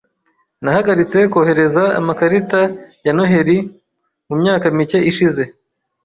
Nahagaritse kohereza amakarita ya Noheri mu myaka mike ishize .